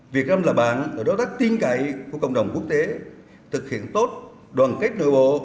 việc làm là bạn đối tác tin cậy của cộng đồng quốc tế thực hiện tốt đoàn kết nội bộ